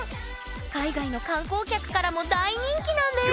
海外の観光客からも大人気なんです